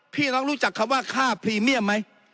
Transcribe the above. พี่น้องรู้จักคำว่าค่าพรีเมียมไหม